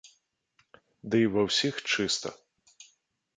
Ды і ўва ўсіх чыста.